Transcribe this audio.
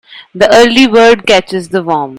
The early bird catches the worm.